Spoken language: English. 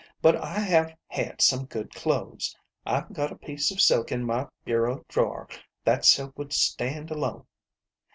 But I have had some good clothes. I've got a piece of silk in my bureau drawer. That silk would stand alone.